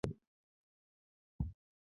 আমার ধারণা আমি সঠিক মানুষটার সাথে কথা বলছি।